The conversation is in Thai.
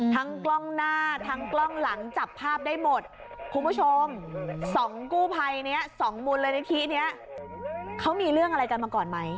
กล้องหน้าทั้งกล้องหลังจับภาพได้หมดคุณผู้ชมสองกู้ภัยเนี้ยสองมูลนิธินี้เขามีเรื่องอะไรกันมาก่อนไหม